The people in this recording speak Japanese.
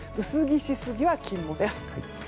薄着しすぎは禁物です。